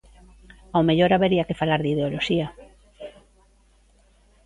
Ao mellor habería que falar de ideoloxía.